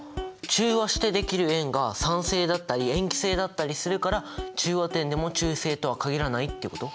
中和してできる塩が酸性だったり塩基性だったりするから中和点でも中性とは限らないってこと？